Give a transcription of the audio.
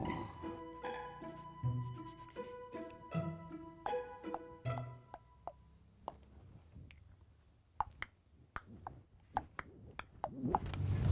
pada saat ini dokternya sudah berubah